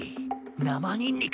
生ニンニク。